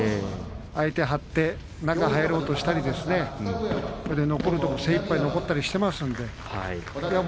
張って中に入ろうとしたり残るところは精いっぱい残ったりしています。